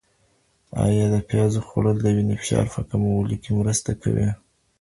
ایا د پیازو خوړل د وینې فشار په کمولو کي مرسته کوي؟